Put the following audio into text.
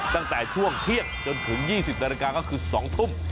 ตั้งแต่ช่วงเที่ยงจนถึง๒๐นาฬิกาก็คือ๒ทุ่ม